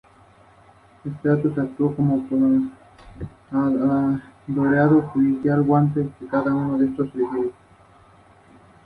Esto comprende la mitad sur del país con unas pocas poblaciones más al norte.